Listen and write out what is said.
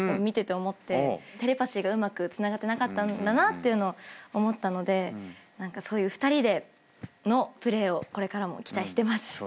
テレパシーがうまくつながってなかったんだなって思ったので２人でのプレーをこれからも期待してます。